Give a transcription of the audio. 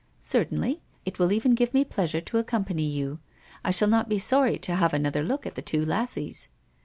"Certainly. It will even give me pleasure to accompany you. I shall not be sorry to have another look at the two lassies."